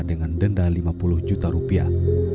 dengan denda lima puluh juta rupiah